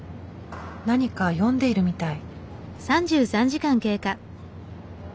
何か読んでいるみたい。